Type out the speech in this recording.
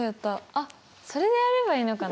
あっそれでやればいいのかな？